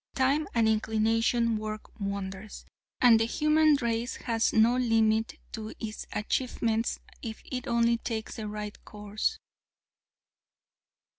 "Time and inclination work wonders, and the human race has no limit to its achievements if it only takes the right course.